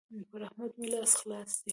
پر احمد مې لاس خلاص دی.